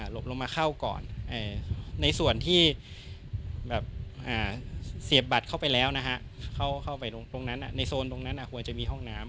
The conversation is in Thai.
บลงมาเข้าก่อนในส่วนที่แบบเสียบบัตรเข้าไปแล้วนะฮะเข้าไปตรงนั้นในโซนตรงนั้นควรจะมีห้องน้ำ